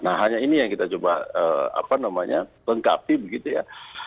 nah hanya ini yang kita coba lengkapi begitu ya